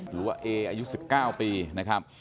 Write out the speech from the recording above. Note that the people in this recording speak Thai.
หรือว่าเออายุ๑๙ปีนะครับ